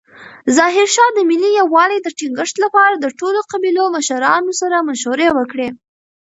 ظاهرشاه د ملي یووالي د ټینګښت لپاره د ټولو قبیلو مشرانو سره مشورې وکړې.